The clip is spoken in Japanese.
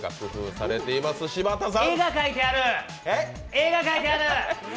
絵が描いてある！